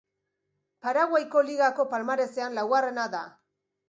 Paraguaiko ligako palmaresean laugarrena da.